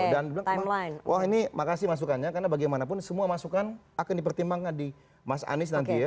dan bilang wah ini makasih masukannya karena bagaimanapun semua masukan akan dipertimbangkan di mas anies nanti ya